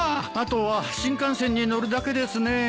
あとは新幹線に乗るだけですね。